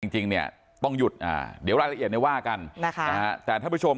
จริงเนี่ยต้องหยุดเดี๋ยวรายละเอียดเนี่ยว่ากันนะคะแต่ท่านผู้ชม